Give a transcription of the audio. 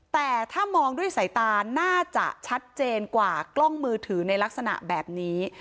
แต่ถ้ามองด้วยสายตาน่าจะชัดเจนกว่ากล้องมือถือในลักษณะแบบนี้